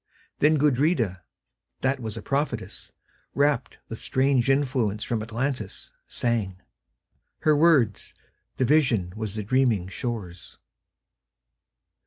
Then Gudrida, that was a prophetess, Rapt with strange influence from Atlantis, sang:Her words: the vision was the dreaming shore's.